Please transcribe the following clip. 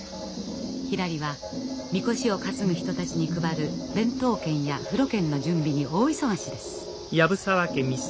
ひらりは神輿を担ぐ人たちに配る弁当券や風呂券の準備に大忙しです。